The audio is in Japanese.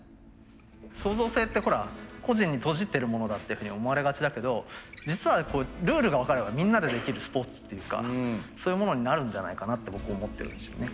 創造性ってほら個人に閉じてるものだっていうふうに思われがちだけど実はルールが分かればみんなでできるスポーツっていうかそういうものになるんじゃないかなって僕思ってるんですよね。